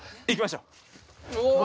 行きましょう。